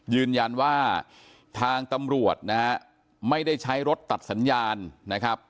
ยืนยันว่าทางตำรวจนะฮะไม่ได้ใช้รถตัดสัญญาณนะครับ